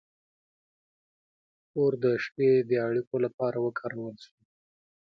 • اور د شپې د اړیکو لپاره وکارول شو.